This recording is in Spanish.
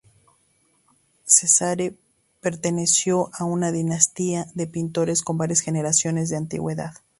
Cesare perteneció a una dinastía de pintores con varias generaciones de antigüedad.